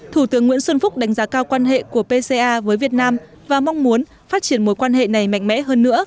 thủ tướng nguyễn xuân phúc đánh giá cao quan hệ của pca với việt nam và mong muốn phát triển mối quan hệ này mạnh mẽ hơn nữa